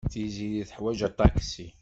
Tiziri teḥwaj aṭaksi.